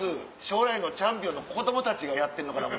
将来のチャンピオンの子供たちがやってるのかな